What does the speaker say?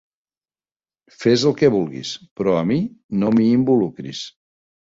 Fes el que vulguis, però, a mi, no m'hi involucris.